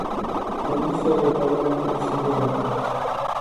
Comisia le va lua în considerare.